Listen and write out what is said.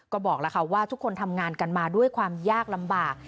ก็บอกแล้วค่ะว่าทุกคนทำงานกันมาด้วยความยากลำบาก